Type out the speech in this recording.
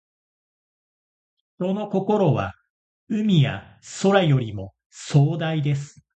人の心は、海や空よりも壮大です。